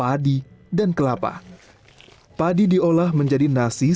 jangan sampai merapat sopan bale hidup distudio orang orang tidak awak